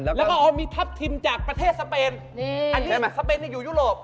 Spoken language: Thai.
แล้วก็เอามีทัพทิมจากประเทศสเปนอันนี้สเปนอยู่ยุโรป